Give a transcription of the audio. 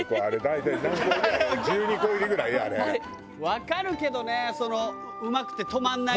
わかるけどねそのうまくて止まんない。